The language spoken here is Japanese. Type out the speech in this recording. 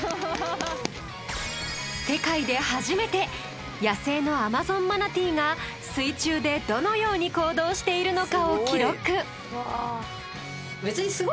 世界で初めて野生のアマゾンマナティーが水中でどのように行動しているのかを記録。